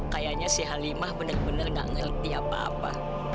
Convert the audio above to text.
kayaknya si halimah benar benar gak ngerti apa apa